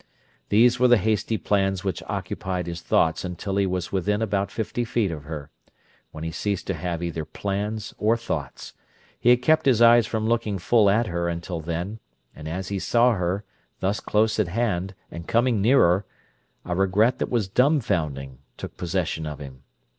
These were the hasty plans which occupied his thoughts until he was within about fifty feet of her—when he ceased to have either plans or thoughts, he had kept his eyes from looking full at her until then, and as he saw her, thus close at hand, and coming nearer, a regret that was dumfounding took possession of him.